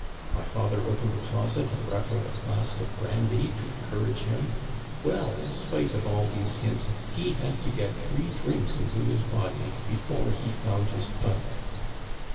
My father opened a closet and brought out a flask of brandy to encourage him. Well, in spite of all these hints, he had to get three drinks into his body before he found his tongue.'